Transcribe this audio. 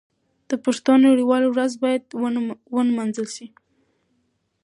د پښتو نړیواله ورځ باید ونمانځل شي.